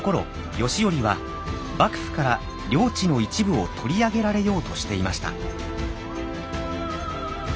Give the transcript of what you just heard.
慶頼は幕府から領地の一部を取り上げられようとしていました。